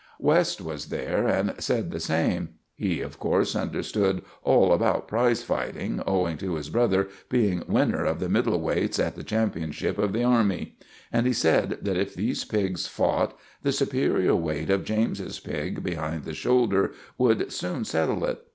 West was there and said the same. He, of course, understood all about prize fighting, owing to his brother being winner of the 'middle weights' at the championship of the army; and he said that if these pigs fought, the superior weight of James's pig behind the shoulder would soon settle it.